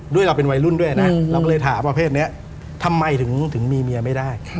เราเป็นวัยรุ่นด้วยนะเราก็เลยถามประเภทนี้ทำไมถึงมีเมียไม่ได้